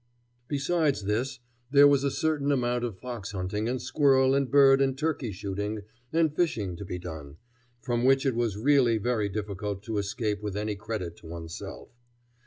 Besides this there was a certain amount of fox hunting and squirrel and bird and turkey shooting and fishing to be done, from which it was really very difficult to escape with any credit to oneself.